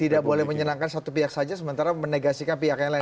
tidak boleh menyenangkan satu pihak saja sementara menegasikan pihak yang lain